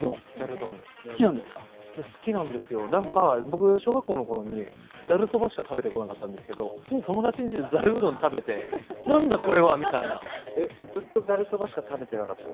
好きなんですよ、僕、小学校のときにざるそばしか食べてこなかったんですが、友達の家でこれを見て、何だこれはって。ずっとざるそばしか食べてなかったの？